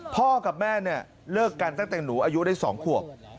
พ่อกับแม่เนี่ยเลิกกันตั้งแต่หนูอายุได้๒ขวบ